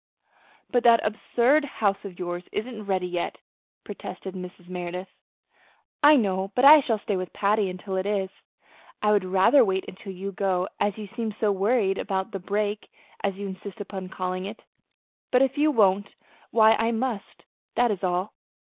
"But that absurd house of yours isn't ready yet," protested Mrs. Merideth. "I know, but I shall stay with Patty until it is," returned Margaret. "I would rather wait until you go, as you seem so worried about the 'break,' as you insist upon calling it; but if you won't, why I must, that is all.